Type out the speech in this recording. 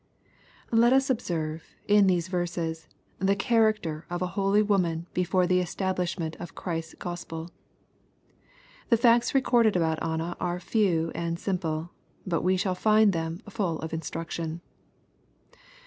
Let us observe, in these verses, the character of a holy woman be/ore the establishment of Christ's Ghspd. The facts recorded about Anna are few and simple. But we shall find them full of instruction.